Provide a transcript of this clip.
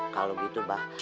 kalau gitu mbah